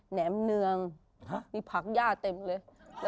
แหมเนืองมีผักย่าเต็มเลย